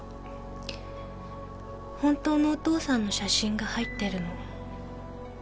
本当のお父さんの写真が入ってるの。